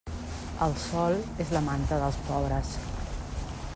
El sol és la manta dels pobres.